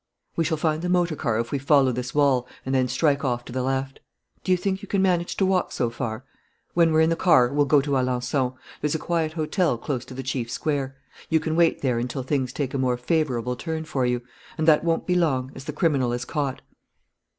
"We shall find the motor car if we follow this wall and then strike off to the left.... Do you think you can manage to walk so far? ... When we're in the car, we'll go to Alençon. There's a quiet hotel close to the chief square. You can wait there until things take a more favourable turn for you and that won't be long, as the criminal is caught."